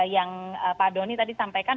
yang pak doni tadi sampaikan